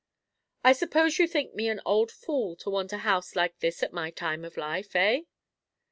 "I suppose you think me an old fool to want a house like this at my time of life, eh?"